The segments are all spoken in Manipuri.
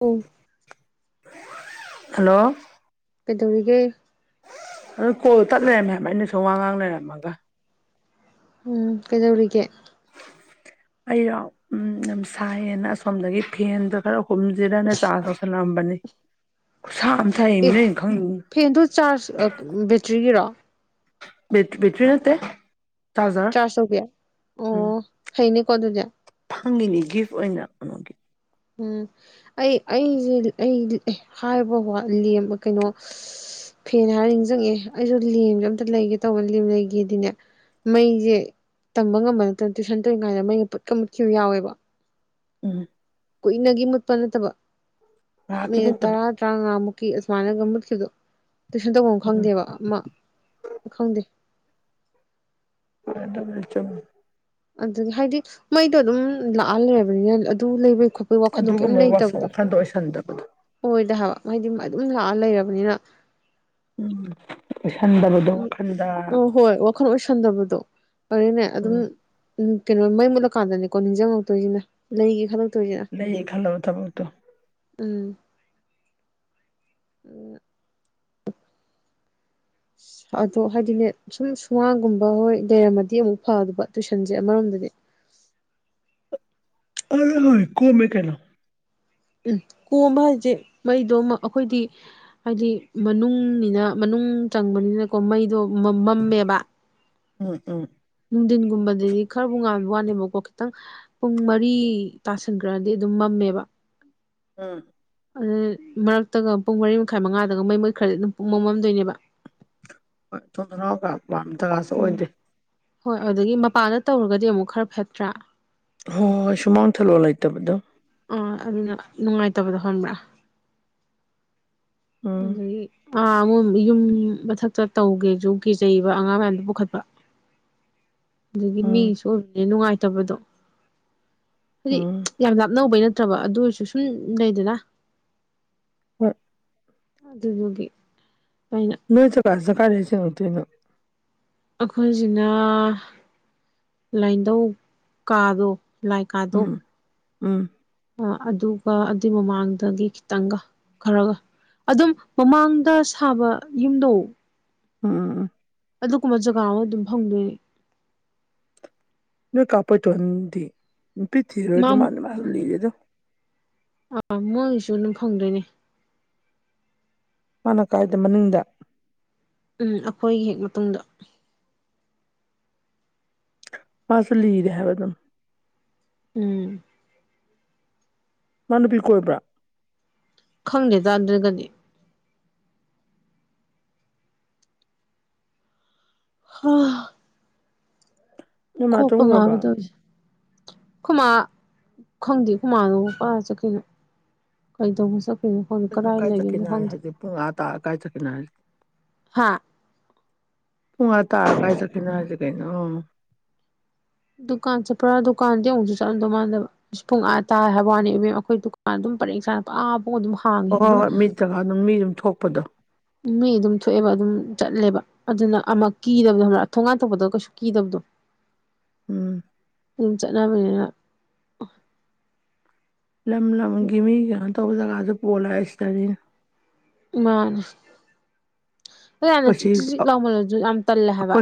ꯎꯝ ꯍꯜꯂꯣ ꯀꯩꯗꯧꯔꯤꯒꯦ ꯑꯗꯨ ꯀꯣ ꯇꯠ ꯂꯩꯔꯝꯃꯦ ꯍꯥꯏꯕ ꯑꯩꯅꯁꯨ ꯋꯥ ꯉꯥꯡ ꯂꯩꯔꯝꯃꯒ ꯎꯝ ꯀꯩꯗꯧꯔꯤꯒꯦ ꯑꯩꯔꯣ ꯎꯝ ꯌꯥꯝ ꯁꯥꯏꯌꯦꯅ ꯑꯁꯣꯝꯗꯒꯤ ꯐꯦꯟꯗꯣ ꯈꯔ ꯍꯨꯝꯁꯤꯔꯅ ꯆꯥ ꯇꯧꯁꯜꯂꯛꯑꯝꯕꯅꯤ ꯈꯨꯁꯥ ꯑ ꯁꯥꯡꯕ ꯅ ꯑ ꯈꯪ ꯐꯦꯟꯗꯨ ꯆꯥꯔꯖ ꯕꯦꯇ꯭ꯔꯤꯒꯤꯔꯣ ꯦꯠ ꯃꯦꯠ꯭ꯔꯤ ꯅꯠꯇꯦ ꯆꯥꯔꯖꯔ ꯆꯥꯔꯖ ꯇꯩꯕꯤ ꯑꯣ ꯎꯝ ꯐꯩꯅꯦꯀꯣ ꯑꯗꯨꯗꯤ ꯐꯪꯉꯤꯅꯤ ꯒꯤꯐ ꯑꯣꯏꯅ ꯀꯩꯅꯣꯒꯤ ꯎꯝ ꯑꯩ ꯑꯩꯁꯦ ꯑꯩ ꯍꯥꯏꯕ ꯋꯥꯠꯂ° ꯀꯩꯅꯣ ꯐꯦꯟ ꯍꯥꯏꯔꯤꯅꯤꯡꯁꯤꯡꯪꯉꯦ ꯑꯩꯁꯨ ꯂꯦꯝꯁꯦ ꯑꯝꯇ ꯂꯩꯒꯦ ꯇꯧꯕ ꯂꯦꯝ ꯂꯩꯒꯦꯗꯤꯅꯦ ꯃꯩꯁꯦ ꯇꯝꯕ ꯉꯝꯕ ꯅꯠꯇꯅ ꯇꯨꯏꯁꯟ ꯇꯧꯔꯤ ꯀꯥꯏꯗ ꯃꯩꯒ ꯄꯠꯀ ꯃꯨꯠꯈꯤꯕꯨ ꯌꯥꯎꯋꯦꯕ ꯎꯝ ꯀꯨꯏꯅꯒꯤ ꯃꯨꯠꯄ ꯅꯠꯇꯕ ꯉꯥꯏꯍꯥꯛꯀꯤ ꯃꯤꯅꯤꯠ ꯃꯨꯠꯄꯗꯣ ꯇꯔꯥ ꯇꯔꯥꯉꯥꯃꯨꯛ ꯀꯤ ꯑꯁꯨꯃꯥꯏꯅꯒ ꯃꯨꯠꯈꯤꯕꯗꯣ ꯇꯨꯏꯁꯟ ꯇꯧꯕ ꯑꯃ ꯎꯝ ꯈꯪꯗꯦꯕ ꯑꯃ ꯈꯪꯗꯦ [unintelligible] ꯑꯗꯨꯒꯤ ꯍꯥꯏꯗꯤ ꯃꯩꯗꯣ ꯑꯗꯨꯝ ꯂꯥꯛꯍꯜꯂꯕꯅꯤꯅ ꯑꯗꯨ ꯂꯩꯕꯩ ꯈꯣꯠꯄ ꯑꯗꯨꯒꯨꯝꯕ ꯋꯥꯁ ꯋꯥꯈꯟꯗꯣ ꯑꯣꯏꯁꯟꯗꯕꯗꯣ ꯑꯣꯏꯗ ꯍꯥꯏꯕ ꯍꯥꯏꯗꯤ ꯑꯗꯨꯝ ꯂꯥꯛꯑ ꯂꯩꯔꯕꯅꯤꯅ ꯎꯝ ꯏꯁꯁꯤꯟꯗꯕꯗꯣ ꯋꯥꯈꯟꯗ ꯑꯣ ꯍꯣꯏ ꯋꯥꯈꯜ ꯑꯣꯏꯁꯟꯗꯕꯗꯣ ꯃꯔꯤꯅꯦ ꯑꯗꯨꯝ ꯎꯝ ꯎꯝ ꯀꯩꯅꯣ ꯃꯩ ꯃꯨꯠꯂꯀꯥꯟꯗꯅꯤꯀꯣ ꯅꯤꯡꯁꯤꯡꯉꯛꯇꯣꯏꯁꯤꯅ ꯂꯩꯒꯦ ꯈꯛꯇ ꯅꯌꯦ ꯈꯂꯕ ꯊꯕꯣꯠꯇ ꯎꯝ ꯎ ꯑꯗꯣ ꯍꯥꯏꯗꯤꯅꯦ ꯁꯨꯝ ꯁꯨꯡꯃꯒꯨꯝꯕ ꯍꯣꯏ ꯂꯩꯔꯝꯃꯗꯤ ꯑꯃꯨꯛ ꯐꯗꯕ ꯇꯨꯏꯁꯟꯁꯦ ꯑꯃꯔꯣꯝꯗꯗꯤ ꯑꯣꯏ ꯍꯣꯏ ꯀꯣꯃꯦꯃꯦ ꯀꯩꯅꯣ ꯎꯝ ꯀꯣꯝꯕ ꯍꯥꯏꯁꯦ ꯃꯩꯗꯣ ꯑꯃ ꯑꯩꯈꯣꯏꯗꯤ ꯍꯥꯏꯗꯤ ꯃꯅꯨꯡꯅꯤꯅ ꯃꯅꯨꯡ ꯆꯪꯕꯅꯤꯅꯀꯣ ꯃꯩꯗꯣ ꯃꯝꯃꯦꯕ ꯎꯝ ꯎꯝ ꯅꯨꯡꯊꯤꯟꯒꯨꯝꯕꯗꯗꯤ ꯈꯔꯕꯨ ꯉꯥꯏꯕ ꯋꯥꯅꯦꯕꯀꯣ ꯈꯤꯇꯪ ꯄꯨꯡ ꯃꯔꯤ ꯇꯥꯁꯟꯈ꯭ꯔꯗꯤ ꯑꯗꯨꯝ ꯃꯝꯃꯦꯕ ꯑꯝ ꯑꯗꯨ ꯃꯔꯛꯇꯒ ꯄꯨꯡ ꯃꯔꯤ ꯃꯈꯥꯏ ꯃꯉꯥꯗꯒ ꯃꯩ ꯃꯨꯠꯈꯔꯗꯤ ꯑꯗꯨꯝ ꯄꯨꯡꯃꯝ ꯃꯝꯗꯣꯏꯅꯦꯕ ꯍꯣꯏ ꯊꯣꯡ ꯊꯅꯥꯎ ꯀ ꯄꯥꯝ ꯖꯒꯥꯁꯨ ꯎꯝ ꯑꯣꯏꯗꯦ ꯍꯣꯏ ꯑꯗꯨꯗꯒꯤ ꯃꯄꯥꯟꯗ ꯇꯧꯔꯒꯗꯤ ꯑꯃꯨꯛ ꯈꯔ ꯐꯠꯇ꯭ꯔꯥ ꯍꯣꯏ ꯍꯣꯏ ꯁꯨꯃꯥꯡ ꯊꯥꯂꯣ ꯂꯩꯇꯕꯗꯣ ꯑꯥ ꯑꯗꯨꯅ ꯅꯨꯡꯉꯥꯏꯇꯕꯗ ꯍꯟꯕ꯭ꯔꯥ ꯎꯝ ꯑꯗꯒꯤ ꯑꯥ ꯑꯃꯨꯛ ꯌꯨꯝ ꯃꯊꯛꯇ ꯇꯧꯒꯦꯁꯨꯨ ꯀꯦ ꯆꯩꯩꯕ ꯑꯉꯥꯡ ꯃꯌꯥꯝꯗꯣ ꯄꯨꯈꯠꯄ [unintelligible] ꯑꯗꯒꯤ ꯎꯝ ꯃꯤꯁꯨ ꯑꯣꯏꯕꯅ ꯅꯨꯡꯉꯥꯏꯇꯕꯗꯣ ꯍꯧꯖꯤꯗꯤ ꯎꯝ ꯌꯥꯝ ꯂ ꯑꯅꯧꯕꯩ ꯅꯠꯇ꯭ꯔꯕ ꯑꯗꯨ ꯑꯣꯏꯔꯁꯨ ꯁꯨꯝ ꯂꯩꯗꯅ ꯍꯣꯏ ꯑꯗꯨꯅꯗꯤ ꯐꯥꯏꯅ ꯅꯣꯏ ꯆ ꯀꯥꯁ ꯀꯥꯁꯤ ꯅꯠꯇꯣꯏꯅ ꯑꯩꯈꯣꯏꯁꯤꯅ ꯂꯥꯏꯟꯙꯧ ꯀꯥꯗꯣ ꯂꯥꯏ ꯀꯥꯗꯣ ꯎꯝ ꯎꯝ ꯑꯗꯨꯒ ꯑꯗꯨꯏ ꯃꯃꯥꯡꯗꯒꯤ ꯈꯤꯇꯪꯒ ꯈꯔꯒ ꯑꯗꯨꯝ ꯃꯃꯥꯡꯗ ꯁꯥꯕ ꯌꯨꯝꯗꯣ ꯎꯝ ꯑꯗꯨꯒꯨꯝꯕ ꯖꯒꯥ ꯑꯃ ꯑꯗꯨꯝ ꯐꯪꯗꯣꯏꯅꯤ ꯅꯣꯏ ꯀꯥ ꯄꯣꯏꯇꯣꯟꯗꯤ [inaudible] ꯊꯟꯗꯤ ꯄꯤꯔꯤꯊꯤꯔ ꯃꯥ ꯑꯗꯨ ꯃꯥꯅ ꯃꯥꯅ ꯂꯤꯔꯦꯗꯣ ꯑꯥ ꯃꯣꯏꯒꯤꯁꯨ ꯑꯗꯨꯝ ꯐꯪꯗꯣꯏꯅꯦ ꯃꯥꯅ ꯀꯥꯏꯗ ꯃꯅꯨꯡꯗ ꯎꯝ ꯑꯩꯈꯣꯏꯒꯤ ꯍꯦꯛ ꯃꯇꯨꯡꯗ ꯃꯥꯁꯣ ꯂꯤꯔꯦ ꯍꯥꯏꯕꯗꯣ ꯎꯝ ꯃꯥ ꯅꯨꯄꯤ ꯀꯣꯏꯕ꯭ꯔꯥ ꯈꯪꯗꯦꯇꯥ ꯑꯗꯨꯒꯗꯤ ꯍ [unintelligible] ꯅꯣꯏ ꯃꯥ ꯀꯣꯛꯒ ꯉꯥꯎꯋꯦ ꯇꯨꯝꯒ꯭ꯔꯕ ꯇꯧꯔꯤꯁꯦ ꯈꯨꯃꯥ ꯈꯪꯗꯦ ꯈꯨꯃꯥꯗꯣ ꯀꯥꯏ ꯆꯠꯈꯔꯤꯅꯣ ꯀꯩ ꯇꯧꯕ ꯆꯠꯈꯤꯅꯣ ꯐ ꯍꯨꯅ ꯀꯩꯅꯣ ꯀꯥꯏ ꯂꯩꯒꯅ ꯆꯠꯈꯤꯅꯣ ꯍꯥꯏ ꯍꯪ [inaudible] ꯍꯧꯖꯤꯛ ꯄꯨꯡ ꯑꯥ ꯇꯥꯔ ꯀꯥꯏ ꯆꯠꯀꯅꯤ ꯍꯥꯢꯅꯣ ꯍꯥꯥ ꯎꯨꯡꯉ ꯇꯥꯑ ꯀꯥꯏ ꯆꯈꯦꯅꯣ ꯑꯖꯤꯛ ꯀꯩꯅꯣ ꯑꯣ [inaudible] ꯗꯨꯀꯥꯟ ꯆꯠꯄ꯭ꯔꯥ ꯗꯨꯀꯥꯟꯗꯤ ꯑꯃꯨꯛꯁꯨ ꯆꯠꯂꯝꯗꯧ ꯃꯥꯟꯗꯕ ꯄꯨꯡ ꯑꯥ ꯇꯥ ꯍꯥꯏꯕ ꯋꯥꯅꯤ ꯏꯄꯦꯃ ꯑꯩꯈꯣꯏ ꯗꯨꯀꯥꯟ ꯑꯗꯨꯝ ꯄꯔꯦꯡ ꯁꯥꯡꯅ ꯑꯁ ꯐꯥꯎꯕ ꯗꯨꯝ ꯑꯣ ꯍꯣꯏ ꯍꯣꯏ ꯃꯤꯠ ꯖꯒꯥ ꯑꯗꯨꯝ ꯃꯤ ꯑꯗꯨꯝ ꯊꯣꯛꯄꯗꯣ ꯃꯤ ꯑꯗꯨꯝ ꯊꯣꯛꯑꯦꯕ ꯑꯗꯨꯝ ꯆꯠꯂꯦꯕ ꯑꯗꯨꯅ ꯑꯃꯛ ꯀꯤꯗꯕꯗꯣ ꯊꯣꯡꯒꯥꯟ ꯊꯣꯛꯄꯗ ꯀꯩꯁꯨ ꯀꯤꯗꯕꯗꯣ ꯎꯝ ꯁꯨꯝ ꯆꯠꯅꯕꯅꯤꯅ ꯂꯝ ꯂꯝꯒꯤ ꯃꯤ ꯀꯩꯅꯣ ꯇꯧꯕ ꯖꯒꯥꯗꯨ ꯄꯣꯜꯂꯦꯁꯤꯇꯅꯤꯅꯦ ꯃꯥꯅꯦ ꯌꯥꯝꯅ ꯑꯩꯈꯣꯏ ꯆꯤꯛ ꯁꯤ ꯆꯤꯛ ꯂꯥꯎꯃꯜꯂꯁꯨ ꯌꯥꯝ ꯇꯜꯂꯦ ꯍꯥꯏꯕ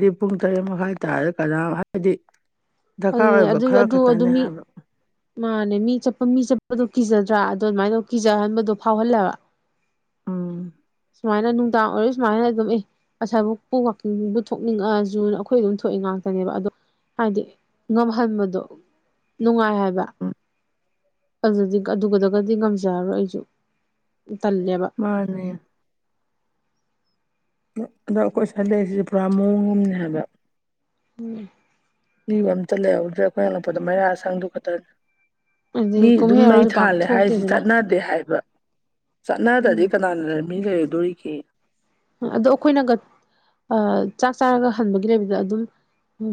ꯗꯤ ꯄꯨꯡ ꯇꯔꯦꯠ ꯃꯈꯥꯏ ꯇꯥꯔꯗꯤ ꯀꯅꯥꯝ ꯍꯥꯏꯕꯗꯤ ꯗꯔꯀꯥꯔ ꯑꯗꯨꯅꯦ ꯑꯣꯏꯕ ꯑꯗꯨ ꯈꯔ ꯑꯗꯨ ꯑꯗꯨ ꯈꯛꯇꯅꯦ ꯃꯤ ꯍꯥꯏꯕ ꯃꯥꯅꯦ ꯃꯤ ꯆꯠꯄ ꯃꯤ ꯆꯠꯄꯗꯣ ꯀꯤꯖꯗ꯭ꯔꯥ ꯑꯗ ꯑꯗꯨꯃꯥꯏꯅ ꯇꯨꯝ ꯀꯤꯖꯍꯟꯕꯗꯣ ꯐꯥꯎꯍꯜꯂꯦꯕ ꯎꯝ ꯁꯨꯃꯥꯏꯅ ꯅꯨꯡꯗꯥꯡ ꯑꯣꯏꯔꯣ ꯁꯨꯃꯥꯏꯅ ꯑꯗꯨꯝ ꯏ ꯑꯁꯥꯏꯕꯨꯄ ꯋꯥꯛꯀꯤꯡꯕꯨ ꯊꯣꯛꯅꯤꯡꯉꯛꯑꯁꯨ ꯑꯩꯈꯣꯏ ꯑꯗꯨꯝ ꯊꯣꯛꯏ ꯉꯥꯛꯇꯅꯦꯕ ꯑꯗꯣ ꯍꯥꯏꯗꯤ ꯉꯝꯍꯟꯕꯗꯣ ꯅꯨꯡꯉꯥꯏ ꯍꯥꯏꯕ ꯑꯗꯨꯗꯤ ꯑꯗꯨꯒꯗꯒꯗꯤ ꯉꯝꯖꯔꯔꯣꯏ ꯑꯩꯁꯨ ꯇꯜꯂꯦꯕ ꯃꯥꯅꯦ ꯑꯗꯣ ꯑꯩꯈꯣꯏ ꯑꯁꯤꯗ ꯄꯨꯔꯥ ꯃꯑꯣꯡ ꯑꯃꯅꯦ ꯍꯥꯏꯕ ꯎꯝ ꯃꯤꯕꯨ ꯑꯝꯇ ꯂꯩꯍꯧꯗ꯭ꯔꯦ ꯑꯩꯈꯣꯏ ꯍꯜꯂꯛꯄꯗ ꯃꯩꯥꯔꯥ ꯁꯪꯗꯨ ꯈꯛꯇꯕꯅꯤ ꯑꯗꯩ ꯃꯤ ꯑꯗꯨꯝ ꯀꯨꯝꯍꯩ ꯃꯩ ꯍꯔꯥꯎꯁꯨ ꯄꯥꯛ ꯊꯥꯜꯂꯦ ꯍꯥꯏꯔꯤꯁꯤ ꯊꯣꯛꯇꯦꯗꯅ ꯆꯠꯅ ꯗꯦ ꯍꯥꯏꯕ ꯎꯝ ꯆꯠꯅꯗ꯭ꯔꯗꯤ ꯀꯅꯥꯅ ꯃꯤ ꯂꯩꯔꯨꯗꯣꯔꯤꯒꯦ ꯑꯗꯣ ꯑꯩꯈꯣꯏꯅꯒ ꯆꯥꯛ ꯆꯥꯔꯒ ꯍꯟꯕꯒꯤ ꯂꯩꯕꯗ ꯑꯗꯨꯝ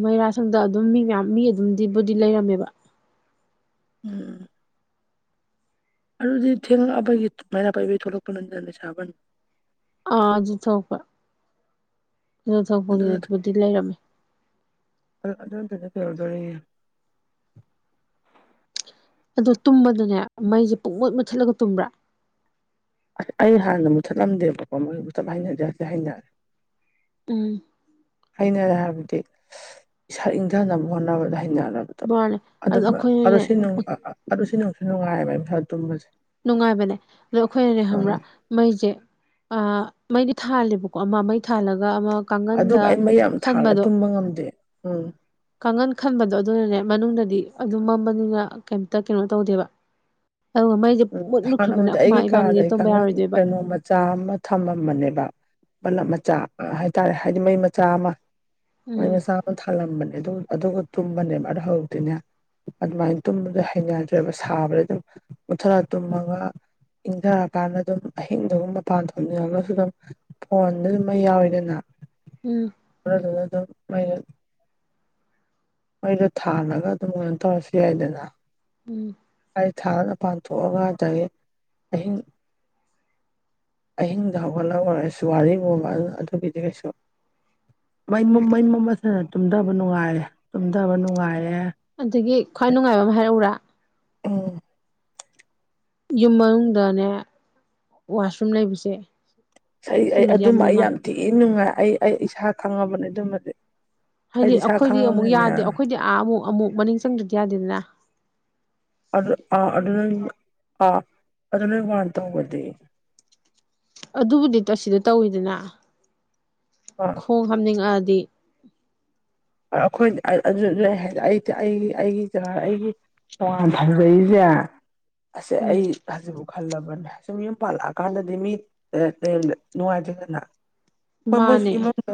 ꯃꯩꯔꯥ ꯁꯪꯗ ꯑꯗꯨꯝ ꯃꯤ ꯃꯌꯥꯝ ꯃꯤ ꯑꯗꯨꯝꯗꯤꯕꯨꯗꯤ ꯂꯩꯔꯝꯃꯦꯕ ꯎꯝ ꯎꯝ ꯑꯗꯨꯗꯤ ꯊꯦꯡꯡꯂꯛꯑꯄꯒꯤ ꯃꯩꯔꯥ ꯄꯥꯏꯕꯤ ꯊꯣꯛꯂꯛꯄ ꯅꯗꯅ ꯁꯥꯕꯅꯤ ꯑꯥ ꯑꯗꯨ ꯊꯣꯛꯄ ꯑꯗꯨ ꯊꯣꯛꯄꯒꯤꯕꯨꯗꯤ ꯂꯩꯔꯝꯃꯦ ꯑꯗꯨ ꯑꯗꯨꯗꯨꯅ ꯀꯩꯔꯗꯣꯔꯤꯅꯦ [inaudible] ꯑꯗꯣ ꯇꯨꯝꯕꯗꯅꯦ ꯃꯩꯁꯦ ꯄꯨꯡꯃꯨꯠ ꯃꯨꯠꯊꯠꯂꯒ ꯇꯨꯝꯕ꯭ꯔꯥ ꯑꯩ ꯍꯥꯟꯅ ꯃꯨꯠꯊꯠꯂꯝꯗꯦꯕꯀꯣ ꯃꯩ ꯃꯨꯊꯠꯕ ꯍꯩꯅꯗꯦ ꯍꯧꯖꯤꯛꯇꯤ ꯍꯩꯅꯔꯦ ꯎꯝ ꯍꯩꯅꯔꯦ ꯍꯥꯏꯕꯗꯤ ꯏꯁꯥ ꯏꯪꯊꯅꯕ ꯍꯣꯠꯅꯕꯗ ꯍꯩꯅꯔꯕ ꯕꯣꯔꯥꯅꯦ ꯑꯗꯣ ꯑꯗꯨꯝ ꯑꯗꯨ ꯑꯩꯈꯣꯏꯅꯅꯦ ꯁꯤ ꯑꯗꯨ ꯁꯤ ꯅꯨꯡꯁꯨ ꯅꯨꯡꯉꯥꯏꯕ ꯏꯁꯥ ꯇꯨꯝꯕꯁꯦ ꯅꯨꯡꯉꯥꯏꯕꯅꯦ ꯑꯗꯣ ꯑꯩꯈꯣꯏꯅꯅꯦ ꯈꯕ꯭ꯔꯥ ꯑꯥ ꯃꯩꯁꯦ ꯑ ꯃꯩꯗꯤ ꯊꯥꯜꯂꯦꯕꯀꯣ ꯑꯃ ꯃꯩ ꯊꯥꯜꯂꯒ ꯑꯃ ꯑꯗꯨꯒ ꯀꯥꯡꯒꯟꯗ ꯑꯩ ꯃꯩꯌꯥꯝ ꯊꯥꯜꯂꯒ ꯇꯨꯝꯕ ꯉꯝꯗꯦ ꯎꯝ ꯀꯥꯡꯈꯟ ꯈꯟꯕꯗꯣ ꯑꯗꯨꯅꯅꯦ ꯃꯅꯨꯡꯗꯗꯤ ꯑꯗꯨꯝ ꯃꯝꯕꯅꯤꯅ ꯀꯩꯝꯇ ꯀꯩꯅꯣ ꯇꯧꯗꯦꯕ ꯑꯗꯨꯒ ꯃꯩꯁꯦ ꯃꯨꯠ ꯃꯨꯠꯈ꯭ꯔꯒꯅ ꯍꯥꯟꯅꯕꯨꯗꯤ ꯑꯩꯈꯣꯏꯃꯥ ꯏꯕꯥꯅꯤꯁ ꯇꯨꯝꯕ ꯌꯥꯔꯣꯏꯗꯣꯏꯕ ꯆꯥ ꯑꯃ ꯊꯝꯃꯝꯕꯅꯦꯕ ꯕꯂꯞ ꯃꯆꯥ ꯍꯥꯏꯇꯥꯔꯦ ꯍꯥꯏꯗꯤ ꯃꯩ ꯃꯆꯥ ꯑꯃ ꯃꯣꯏ ꯎꯝ ꯃꯆꯥ ꯑꯃ ꯊꯥꯜꯂꯝꯕꯅꯦ ꯑꯗꯨ ꯑꯗꯨꯒ ꯇꯨꯝꯕꯅꯦꯕ ꯑꯗꯨ ꯍꯧꯗꯣꯏꯅꯦ ꯑꯗꯨꯃꯥꯏꯅ ꯇꯨꯝꯕꯗ ꯍꯩꯅꯗ꯭ꯔꯦꯕ ꯁꯥꯕꯗ ꯑꯗꯨꯝ ꯃꯨꯠꯊꯔ ꯇꯨꯝꯃꯒ ꯏꯪꯊꯔꯀꯥꯟꯗ ꯑꯗꯨꯝ ꯑꯍꯤꯡꯗꯨꯒ ꯃꯄꯥꯟ ꯊꯣꯛꯅꯤꯡꯉꯒꯁꯨ ꯑꯗꯨꯝ ꯐꯣꯟꯗ ꯑꯗꯨꯝ ꯃꯩ ꯌꯥꯎꯋꯤꯗꯅ ꯎꯝ ꯑꯗꯨ ꯑꯗꯨꯝ ꯑꯩꯅ ꯃꯣꯏꯗꯣ ꯊꯥꯜꯂꯒ ꯑꯗꯨꯝ ꯑꯗꯨꯝ ꯇꯧꯔꯁꯨ ꯌꯥꯏꯗꯅ ꯎꯝ ꯑꯩ ꯊꯥꯅ ꯄꯥꯟ ꯊꯣꯛꯑꯒ ꯑꯗꯩ ꯑꯍꯤꯡ ꯑꯍꯤꯡꯗ ꯍꯧꯒꯠꯂꯛꯔꯒꯁꯨ ꯋꯥꯔꯤꯒꯨꯝꯕ ꯑꯗꯨꯒꯤꯗꯤ ꯀꯩꯁꯨ ꯃ ꯃꯩ ꯃꯣꯝ ꯑꯁꯤꯅ ꯇꯨꯝꯊꯕ ꯅꯨꯡꯉꯥꯏꯔꯦ ꯇꯨꯝꯊꯕ ꯅꯨꯡꯉꯥꯏꯔꯦ ꯑꯗꯒꯤ ꯈ꯭ꯋꯥꯏ ꯅꯨꯡꯉꯥꯏꯕ ꯑꯃ ꯍꯥꯏꯔꯛꯎꯔꯥ ꯑꯥꯝ ꯌꯨꯝ ꯃꯅꯨꯡꯗꯅꯦ ꯋꯥꯁꯔꯨꯝ ꯂꯩꯕꯁꯦ ꯑꯩ ꯑꯩ ꯁꯤꯃꯗꯤ ꯑꯗꯨꯃ ꯑꯩ ꯅꯨꯡꯉꯥꯏ ꯌꯥꯝ ꯊꯤꯅ ꯅꯨꯡꯉꯥꯏ ꯑꯩ ꯑꯩ ꯏꯁꯥ ꯈꯪꯉꯕꯅꯦ ꯑꯗꯨꯃꯗꯤ ꯍꯥꯏꯗꯤ ꯑꯩꯗꯤ ꯏꯁꯥ ꯑꯩꯈꯣꯏꯗꯤ ꯑꯃꯨꯛ ꯈꯪꯉꯕꯅꯤꯅꯦ ꯌꯥꯗꯦ ꯑꯩꯈꯣꯏꯗꯤ ꯑꯥ ꯑꯃꯨꯛ ꯑꯃꯨꯛ ꯃꯅꯤꯡ ꯆꯪꯗꯗꯤ ꯌꯥꯗꯦꯗꯅ ꯑꯗꯨꯗ ꯑꯥ ꯑꯗꯨ ꯑꯗꯨꯅ ꯑꯥ ꯑꯗꯨ ꯑꯗꯨꯅ ꯋꯥꯔ ꯇꯧꯕꯗꯤ ꯑꯗꯨꯕꯨꯗꯤ ꯑꯁꯤꯗ ꯇꯧꯋꯤꯗꯅ ꯎꯝ [inaudible] ꯈꯣꯡ ꯍꯥꯝꯅꯤꯡꯉꯛꯑꯗꯤ ꯑꯩꯈꯣꯏ ꯑꯗꯨ ꯂꯩ ꯍꯥꯏꯗꯤ ꯑꯩꯗꯤ ꯑꯩꯒꯤ ꯑꯩꯒꯤ ꯖꯒꯥ ꯑꯩꯒꯤ ꯇꯣꯉꯥꯟ ꯊꯥꯝꯖꯔꯤꯁꯦ ꯑꯁ ꯎꯝ ꯑꯩ ꯍꯧꯖꯤꯛ ꯈꯜꯂꯕꯅꯦꯁꯨꯝ ꯌꯨꯝ ꯄꯥꯜꯂꯛꯑꯀꯥꯟꯗꯗꯤ ꯃꯤ ꯅꯨꯡꯉꯥꯏꯇꯦꯗꯅ ꯍꯣꯏ ꯃꯣꯏꯁꯨ ꯃꯥꯅꯦ ꯏꯃꯨꯡꯗ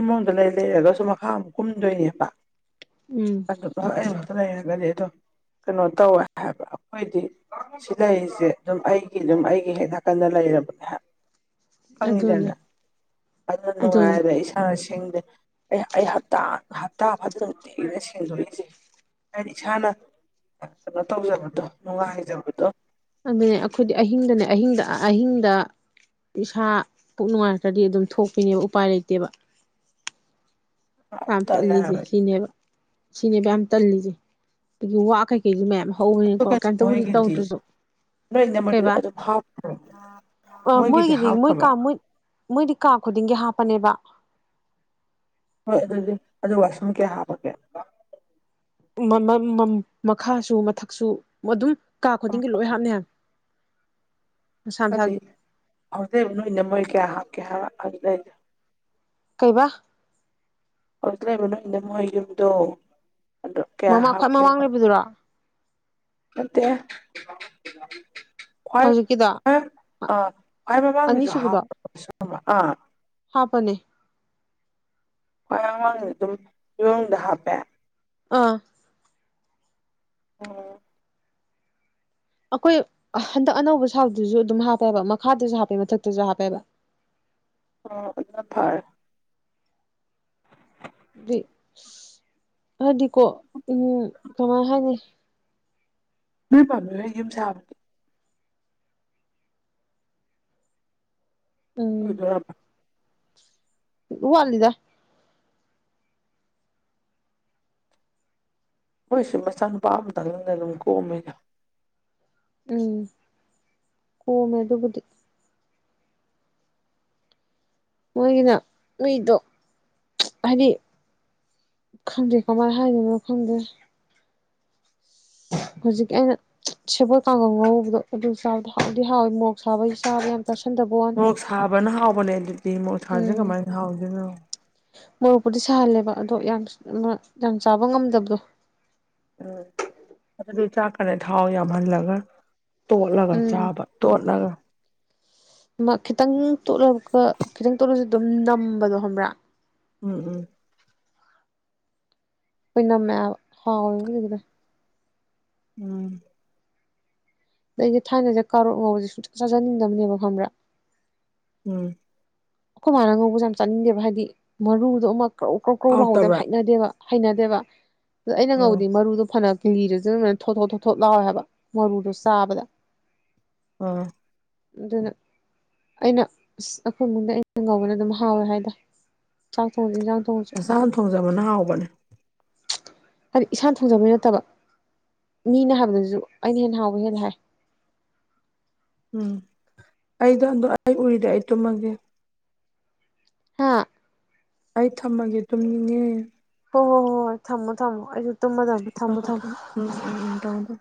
ꯏꯃꯨꯡꯗ ꯂꯩ ꯂꯩꯔꯒꯁꯨ ꯃꯈꯥ ꯑꯃꯛ ꯀꯨꯝꯗꯣꯏꯅꯦꯕ ꯎꯝ ꯑꯗꯨ ꯑꯩꯛꯇ ꯂꯩꯔꯒꯗꯤ ꯑꯗꯨꯝ ꯀꯩꯅꯣ ꯇꯧꯋꯦ ꯍꯥꯏꯕ ꯑꯩꯈꯣꯏꯗꯤ ꯁꯤ ꯂꯩꯔꯤꯁꯦ ꯑꯗꯨꯝ ꯑꯩꯒꯤ ꯑꯗꯨꯝ ꯑꯩꯒꯤ ꯍꯦꯛ ꯅꯥꯀꯟꯅ ꯂꯩꯔꯕꯅꯦ ꯑꯗꯨꯅꯦ ꯈꯪꯉꯤꯗꯅ ꯑꯗꯨꯅ ꯑꯗꯨꯅꯦ ꯅꯨꯡꯉꯥꯏꯔꯦ ꯏꯁꯥ ꯁꯤꯡꯗꯤ ꯑꯩ ꯑꯩ ꯍꯥꯞꯇ ꯐꯗꯅ ꯅꯨꯡꯇꯤꯒꯤꯅꯦ ꯁꯦꯡꯗꯣꯛꯏꯁꯦ ꯍꯥꯏꯗꯤ ꯏꯁꯥꯅ ꯀꯩꯅꯣ ꯇꯧꯖꯕꯗꯣ ꯅꯨꯡꯉꯥꯏꯖꯕꯗꯣ ꯑꯗꯨꯅꯦ ꯑꯩꯈꯣꯏꯗꯤ ꯑꯍꯤꯡꯗꯅꯦ ꯑꯍꯤꯡꯗ ꯑꯍꯤꯡꯗ ꯏꯁꯥ ꯄꯨꯛ ꯅꯨꯡꯉꯥꯏꯔꯒꯗꯤ ꯑꯗꯨꯝ ꯊꯣꯛꯄꯤꯅꯦꯕ ꯎꯄꯥꯏ ꯂꯩꯇꯦꯕ ꯑꯗꯨ ꯌꯥꯝ ꯇꯜꯂꯦ ꯇꯜꯂꯤꯁꯦ ꯍꯥꯏꯕ ꯑꯗꯨ ꯁꯤꯅꯦꯕ ꯁꯤꯅꯦꯕ ꯌꯥꯝ ꯇꯜꯂꯤꯁꯦ ꯑꯗꯒꯤ ꯋꯥ ꯀꯩꯀꯩꯁꯨ ꯃꯌꯥꯝ ꯍꯧꯕꯅꯤꯅꯀꯣ ꯀꯩꯅꯣ ꯀꯩꯝꯇꯕꯨꯗꯤ ꯃꯣꯏꯒꯤꯗꯤ ꯇꯧꯗ꯭ꯔꯁꯨ ꯅꯣꯏꯅ ꯃꯗꯨ ꯀꯩꯕꯥ ꯑꯗꯨꯝ ꯍꯥꯞꯈ꯭ꯔꯣ ꯃꯣꯏꯒꯤꯗꯤ ꯃꯣꯏ ꯀꯥ ꯃꯣꯏ ꯃꯣꯏꯗꯤ ꯀꯥ ꯈꯨꯗꯤꯡꯒꯤ ꯍꯥꯞꯄꯅꯦꯕ ꯍꯣꯏ ꯑꯗꯨꯗꯤ ꯑꯗꯨ ꯋꯥꯁꯔꯨꯝ ꯀꯌꯥ ꯍꯥꯞꯄꯒꯦ ꯃꯈꯥꯁꯨ ꯃꯊꯛꯁꯨ ꯑꯗꯨꯝ ꯀꯥ ꯈꯨꯗꯤꯡꯒꯤ ꯂꯣꯏ ꯍꯥꯞꯅꯤ ꯍꯥꯢꯕꯅꯦ ꯑꯗꯨꯗꯤ ꯍꯧꯖꯛ ꯅꯣꯏꯅ ꯃꯣꯏ ꯀꯌꯥ ꯍꯥꯞꯀꯦ ꯑꯗꯨꯗꯩ ꯀꯩꯕꯥ ꯍꯧꯖꯤꯛ ꯂꯩꯕ ꯅꯣ ꯅꯥꯅꯝꯃ ꯃꯣꯏ ꯌꯨꯝꯗꯣ ꯑꯗꯣ ꯀꯌꯥ ꯍꯥꯞꯀꯦꯕ ꯄꯨꯗꯨꯔꯥ [inaudible] ꯅꯠꯇꯦ ꯈ꯭ꯋꯥꯏ ꯍꯧꯖꯤꯛꯀꯤꯗꯣ ꯈ꯭ ꯑꯥ ꯈ꯭ꯋꯥꯏ ꯃꯃꯥꯡꯒꯤꯁꯨ ꯍꯥꯞꯄ ꯁꯤꯕ ꯑꯥ [inaudible] ꯍꯥꯥꯞꯄꯅꯦ ꯍ꯭ꯋꯥ ꯑꯋꯥꯥꯡꯗ ꯑꯗꯨꯝ ꯌꯣꯡꯗ ꯍꯥꯞꯄꯦ [inaudible] ꯑꯥ ꯑꯣ ꯑꯈꯣꯏ ꯍꯟꯗꯛ ꯑꯅꯧꯕ ꯁꯥꯥꯕꯗꯨꯖꯨ ꯑꯗꯨꯝ ꯍꯥꯞꯄꯦ ꯍꯥꯏꯕ ꯃꯈꯥꯗꯖꯨ ꯍꯥꯞꯄꯦ ꯃꯊꯛꯇꯖꯨ ꯍꯥꯞꯄꯦ ꯍꯥꯏꯕ ꯑꯣ ꯑꯗꯨꯅ ꯐꯔꯦ ꯑꯗꯨꯏ ꯍꯥꯏꯗꯤꯀꯣ ꯎꯝ ꯀꯃꯥꯏ ꯍꯥꯏꯅꯤ ꯃꯤ ꯄꯥꯝꯃꯤꯍꯣꯏ ꯌꯨꯝ ꯁꯥꯕꯗꯤ ꯎꯝ ꯂꯣꯏꯗꯣꯔꯕ ꯋꯥꯠꯂꯤꯗꯥ ꯃꯣꯏꯁꯨ ꯃꯆꯥꯅꯨꯄꯥ ꯑꯝꯇꯪꯅꯤꯅ ꯑꯗꯨꯝ ꯀꯣꯝꯃꯤꯗ ꯎꯝ ꯀꯣꯝꯃꯦ ꯑꯗꯨꯕꯨꯗꯤ ꯃꯣꯏꯒꯤꯅ ꯃꯤꯗꯣ ꯍꯥꯏꯗꯤ ꯈꯪꯗꯦ ꯀꯃꯥꯏ ꯍꯥꯏꯗꯣꯏꯅꯣ ꯈꯪꯗꯦ ꯍꯧꯖꯤꯛ ꯑꯩꯅ ꯁꯦꯕꯣꯠ ꯀꯥꯡꯍꯧ ꯉꯧꯕꯗꯣ ꯑꯗꯨ ꯆꯥꯕꯗꯣ ꯍꯥꯎꯗꯤ ꯍꯥꯎꯋꯤ ꯃꯣꯛ ꯁꯥꯕꯩ ꯆꯥꯕ ꯌꯥꯝ ꯆꯥꯥꯁꯟꯗꯕ ꯃꯣꯛ ꯁꯥꯕꯅ ꯍꯥꯎꯕꯅꯦ ꯑꯗꯨꯗꯤ ꯃꯣꯔꯣꯛ ꯁꯥꯗ꯭ꯔꯗꯤ ꯎꯝ ꯀꯃꯥꯏꯅ ꯍꯥꯎꯗꯣꯏꯅꯣ ꯃꯣꯔꯣꯛꯄꯨꯗꯤ ꯁꯥꯍꯜꯂꯦꯕ ꯑꯗꯣ ꯌꯥꯝꯁꯅ ꯌꯥꯝ ꯆꯥꯕ ꯉꯝꯗꯕꯗꯣ ꯎꯝ ꯑꯗꯨꯗꯤ ꯆꯥꯛꯀꯅꯦ ꯊꯥꯎ ꯌꯥꯝꯍꯜꯂꯒ ꯇꯣꯠꯂꯒ ꯎꯝ ꯆꯥꯕ ꯇꯣꯠꯂꯒ ꯑꯃ ꯈꯤꯇꯪ ꯇꯣꯠꯂꯒ ꯀꯣ ꯈꯤꯇꯪ ꯇꯣꯠꯂꯖꯨ ꯑꯗꯨꯝ ꯅꯝꯕꯗꯣ ꯈꯪꯕ꯭ꯔꯥ ꯎꯝ ꯎꯝ ꯑꯣꯏꯅꯝꯃꯦ ꯍꯥꯏꯕꯥ ꯍꯥꯎꯋꯦꯕ ꯍꯧꯖꯤꯛꯀꯤꯗꯣ ꯎꯝ ꯑꯩꯗꯤ ꯊꯥꯏꯅꯖꯦ ꯀꯥꯔꯣꯠ ꯉꯧꯕꯖꯦ ꯁꯨꯛꯆꯥ ꯆꯥꯖꯅꯤꯡꯗꯕꯅꯦꯕ ꯈꯪꯕ꯭ꯔꯥ ꯎꯝ ꯑꯩꯈꯣꯏ ꯃꯥꯅ ꯉꯧꯕꯖꯦ ꯌꯥꯝ ꯆꯥꯅꯤꯡꯗꯦꯕ ꯍꯥꯏꯗꯤ ꯃꯔꯨꯗꯣ ꯑꯃ ꯀ꯭ꯔꯧ ꯀ꯭ꯔꯧ ꯀ꯭ꯔꯧ ꯂꯥꯎꯕꯗꯣ ꯌꯥꯝ ꯍꯥꯎꯇꯕ꯭ꯔꯥ ꯍꯩꯅꯗꯦꯕ ꯍꯩꯅꯗꯦꯕ ꯑꯗ ꯑꯩꯅ ꯑꯣ ꯉꯧꯕꯗꯤ ꯃꯔꯨꯗꯣ ꯐꯅ ꯂꯤꯔꯖꯨ ꯑꯗꯨꯝꯅꯦ ꯊꯣ ꯊꯣ ꯊꯣ ꯊꯣꯠ ꯂꯥꯎꯋꯦ ꯍꯥꯏꯕ ꯃꯔꯨꯗꯣ ꯆꯥꯕꯗ ꯑ ꯑꯗꯨꯅ ꯑꯩꯅ ꯑꯁ ꯑꯩꯈꯣꯏ ꯏꯃꯨꯡꯗ ꯑꯩꯅ ꯑꯩꯅ ꯉꯧꯕꯅ ꯑꯗꯨꯝ ꯍꯥꯎꯋꯦ ꯍꯥꯏꯗ ꯆꯥꯛ ꯊꯣꯡꯗ ꯏꯟꯖꯥꯡ ꯊꯣꯡꯉꯁꯨ ꯃꯆꯥꯥꯅ ꯊꯣꯡꯖꯕꯅ ꯍꯥꯎꯕꯅꯦ ꯍꯥꯏꯗꯤ ꯏꯁꯥꯅ ꯊꯣꯡꯖꯕꯩ ꯅꯠꯇꯕ ꯃꯤꯅ ꯍꯥꯏꯕꯗꯁꯨ ꯑꯩꯅ ꯍꯦꯟꯅ ꯍꯥꯎꯕ ꯍꯦꯟꯂꯦ ꯍꯥꯏ ꯎꯝ ꯑꯩꯗꯣ ꯑꯟꯗꯣ ꯑꯩ ꯎꯔꯤꯗꯤ ꯑꯩ ꯇꯨꯝꯃꯒꯦ ꯍꯥꯥ ꯑꯩ ꯊꯝꯃꯒꯦ ꯇꯨꯝꯅꯤꯡꯉꯦ ꯍꯣꯏ ꯍꯣꯏ ꯍꯣꯏ ꯍꯣꯏ ꯊꯝꯃꯣ ꯊꯝꯃꯣ ꯑꯩꯖꯨ ꯊꯝꯃꯣ ꯊꯝꯃꯣ ꯎꯝ ꯎꯝ ꯎꯝ ꯊꯝꯃꯣ ꯊꯝꯃꯣ